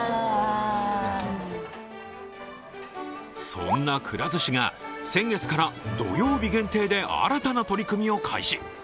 そんなくら寿司が先月から土曜日限定で新たな取り組みを開始。